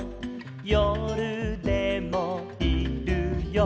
「よるでもいるよ」